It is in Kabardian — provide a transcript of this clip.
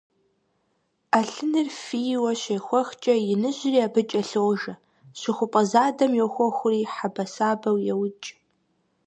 Ӏэлъыныр фийуэ щехуэхкӀэ иныжьри абы кӀэлъожэ, щыхупӏэ задэм йохуэхри хьэбэсабэу еукӀ.